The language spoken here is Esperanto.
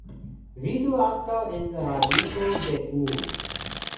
Vidu ankaŭ en radiko de unu.